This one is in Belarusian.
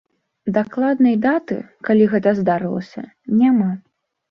Дакладнай даты, калі гэта здарылася, няма.